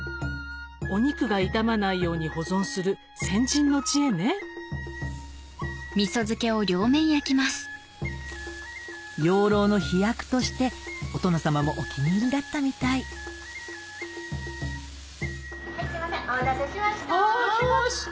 お肉が傷まないように保存する先人の知恵ねとしてお殿様もお気に入りだったみたいすいませんお待たせしました。来ました！